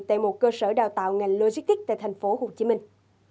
tại một cơ sở đào tạo ngành logistics tại thành phố hồ chí minh